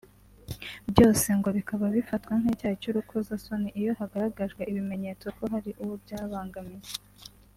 byose ngo bikaba bifatwa nk’icyaha cy’urukozasoni iyo hagaragajwe ibimenyetso ko hari uwo byabangamiye